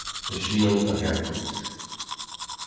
THE SHIELD OF HERACLES (ll.